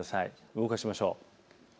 動かしましょう。